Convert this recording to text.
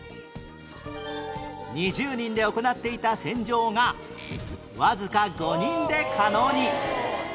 ２０人で行っていた洗浄がわずか５人で可能に